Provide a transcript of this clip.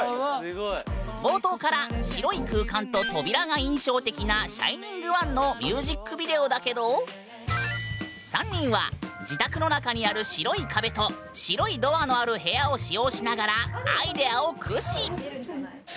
冒頭から白い空間と扉が印象的な「ＳｈｉｎｉｎｇＯｎｅ」のミュージックビデオだけど３人は自宅の中にある白い壁と白いドアのある部屋を使用しながらアイデアを駆使！